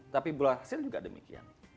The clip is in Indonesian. tapi berhasil juga demikian